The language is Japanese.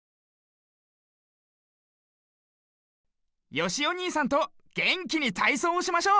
よしおにいさんとげんきにたいそうをしましょう！